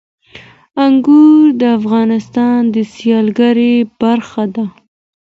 انګور د افغانستان د سیلګرۍ برخه ده.